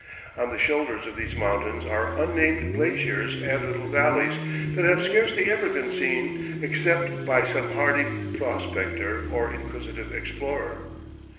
On the shoulders of these mountains are unnamed glaciers and little valleys that have scarcely ever been seen except by some hardy prospector or inquisitive explorer.